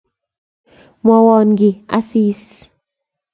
Mowol kiy Asisi